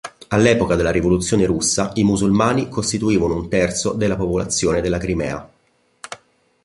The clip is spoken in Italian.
All'epoca della Rivoluzione russa, i Musulmani costituivano un terzo della popolazione della Crimea.